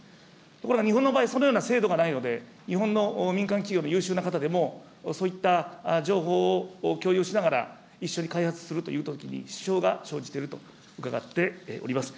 ところが日本の場合、そのような制度がないので、日本の民間企業の優秀な方でも、そういった情報を共有しながら、一緒に開発するというときに支障が生じていると伺っております。